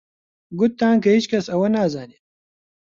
گوتتان کە هیچ کەس ئەوە نازانێت